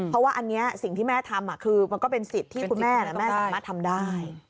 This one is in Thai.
เพราะว่าอันนี้สิ่งที่แม่ทำคือมันก็เป็นสิทธิ์ที่คุณแม่แม่สามารถทำได้